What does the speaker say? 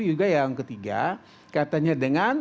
juga yang ketiga kaitannya dengan